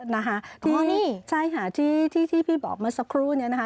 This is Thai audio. อ๋อนี่ใช่ค่ะที่พี่บอกเมื่อสักครู่นี้นะคะ